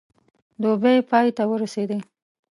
دوبی پای ته ورسېدی.